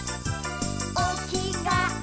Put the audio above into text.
「おきがえ